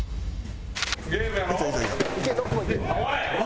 おい！